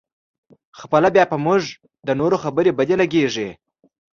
خپله بیا په موږ د نورو خبرې بدې لګېږي.